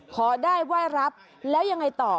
ขอได้ไหว้รับแล้วยังไงต่อ